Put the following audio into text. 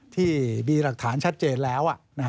ที่มีหลักฐานชัดเจนแล้ว